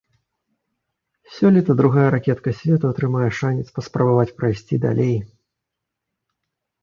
Сёлета другая ракетка свету атрымае шанец паспрабаваць прайсці далей.